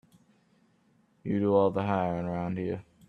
You do all the hiring around here.